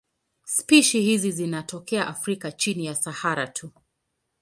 Spishi hizi zinatokea Afrika chini ya Sahara tu.